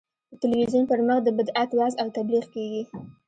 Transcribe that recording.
په تلویزیون پر مخ د بدعت وعظ او تبلیغ کېږي.